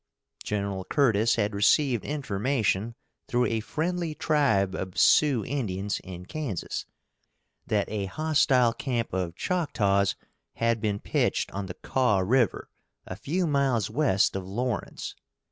Gen. Curtis had received information through a friendly tribe of Sioux Indians, in Kansas, that a hostile camp of Choctaws had been pitched on the Kaw river, a few miles west of Lawrence.